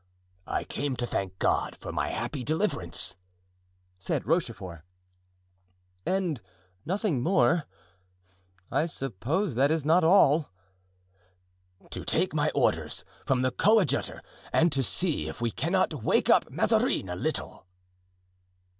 "I came to thank God for my happy deliverance," said Rochefort. "And nothing more? I suppose that is not all." "To take my orders from the coadjutor and to see if we cannot wake up Mazarin a little."